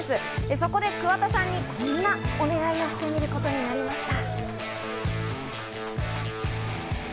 そこで桑田さんにこんなお願いをしてみることにしました。